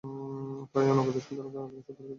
এই অনাগত সন্তান আমাদেরকে একসূত্রে গেঁথে দিয়েছে।